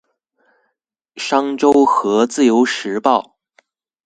商周和自由時報